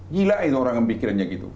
gila itu orang yang mikirnya gitu